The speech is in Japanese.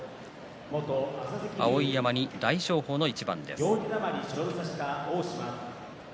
碧山に大翔鵬の一番です。